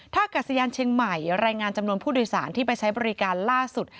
ถ้ากัศยานเชียงใหม่รายงานจำนวนผู้โดยสารที่ไปใช้บริการล่าสุด